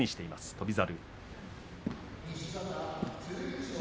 翔猿。